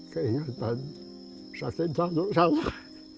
keingetan sasaran selalu salah